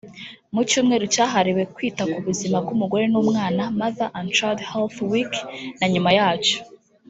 Mu cyumweru cyahariwe kwita ku buzima bw’umugore n’umwana “Mother and Child Heallth Weak” na nyuma yacyo